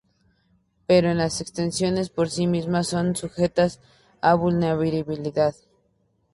Pero las extensiones por sí mismas son sujetas a vulnerabilidades.